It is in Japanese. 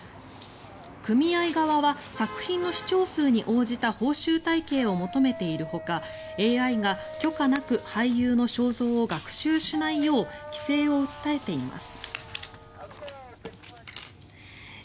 組合側は作品の視聴数に応じた報酬体系を求めているほかＡＩが許可なく俳優の肖像を学習しないよう規制を訴えています。